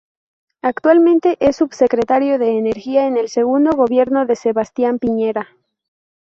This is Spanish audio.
Actualmente es subsecretario de Energía en el Segundo gobierno de Sebastián Piñera.